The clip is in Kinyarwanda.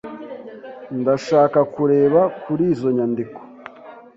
Ndashaka kureba kuri izo nyandiko.